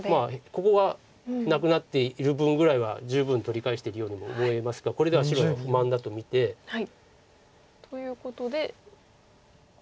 ここがなくなっている分ぐらいは十分取り返してるようにも思えますがこれでは白不満だと見て。ということでここで。